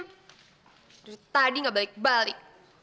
dari tadi gak balik balik